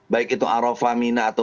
baik itu arofamina atau